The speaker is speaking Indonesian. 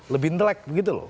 lebih intelek begitu loh